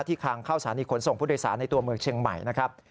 ที่ค้างเข้าสร้างอีกขนส่งผู้โดยศาสตร์ในตัวเมืองเชียงใหม่นะครับ